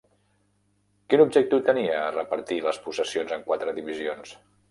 Quin objectiu tenia a repartir les possessions en quatre divisions?